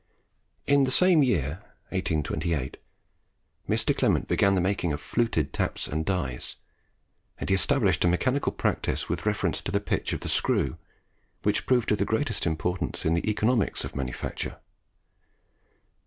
In the same year (1828) Mr. Clement began the making of fluted taps and dies, and he established a mechanical practice with reference to the pitch of the screw, which proved of the greatest importance in the economics of manufacture.